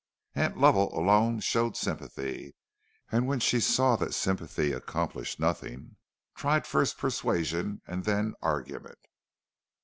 Aunt Lovell alone showed sympathy, and when she saw that sympathy accomplished nothing, tried first persuasion and then argument.